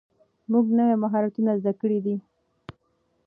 موږ نوي مهارتونه زده کړي دي.